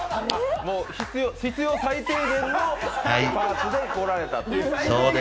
必要最低限のパーツで来られたという？